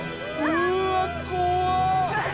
うわ怖っ！